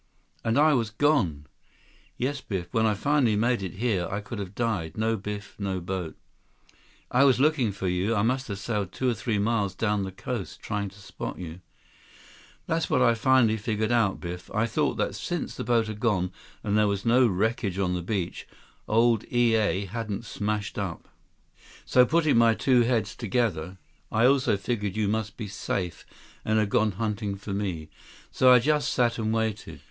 "And I was gone." "Yes, Biff. When I finally made it here, I could have died. No Biff. No boat." "I was looking for you. I must have sailed two or three miles down the coast, trying to spot you." "That's what I finally figured out, Biff. I thought that since the boat was gone and there was no wreckage on the beach, old E.A. hadn't smashed up. So, putting my two heads together, I also figured you must be safe and had gone hunting for me. So I just sat and waited.